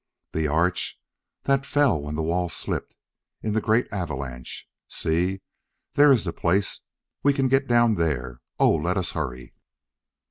"The arch? That fell when the wall slipped, in the great avalanche. See! There is the place. We can get down there. Oh, let us hurry!"